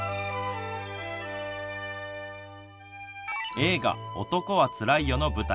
映画、男はつらいよの舞台